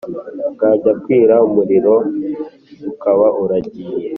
, bwajya kwira umuriro ukaba uragiye